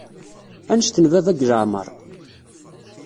Annect n baba deg leɛmer.